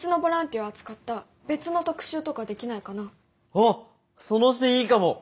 おっその視点いいかも！